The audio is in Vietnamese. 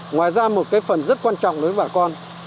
ngoài ra một cái phần rất quan trọng đối với bà con